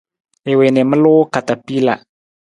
I wii na i maluu katapila.